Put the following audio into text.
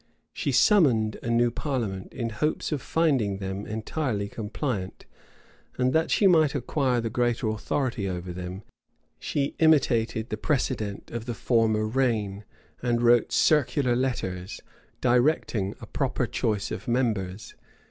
She summoned a new parliament, in hopes of finding them entirely compliant; and, that she might acquire the greater authority over them, she imitated the precedent of the former reign, and wrote circular letters, directing a proper choice of members.